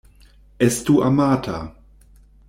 Estu amata.